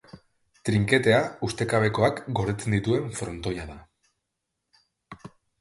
Trinketea ustekabekoak gordetzen dituen frontoia da.